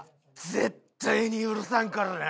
絶対に許さんからな！